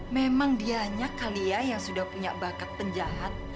memang dianya kali ya yang sudah punya bakat penjahat